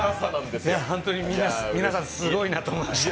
ホントに皆さんすごいなと思いました。